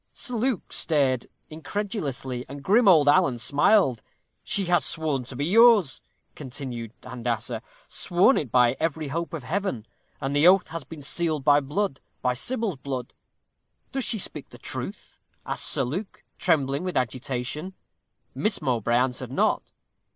Sir Luke stared incredulously, and grim old Alan smiled. 'She has sworn to be yours,' continued Handassah; 'sworn it by every hope of heaven, and the oath has been sealed by blood by Sybil's blood.' 'Does she speak the truth?' asked Sir Luke, trembling with agitation. Miss Mowbray answered not.